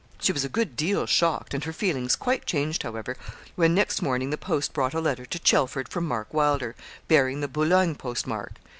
She was a good deal shocked, and her feelings quite changed, however, when next morning the post brought a letter to Chelford from Mark Wylder, bearing the Boulogne postmark.